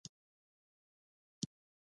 څنګه کولی شم د ماشومانو لپاره د دجال کیسه وکړم